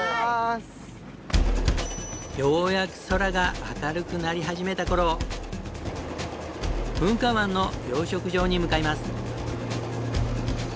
ようやく空が明るくなり始めた頃噴火湾の養殖場に向かいます。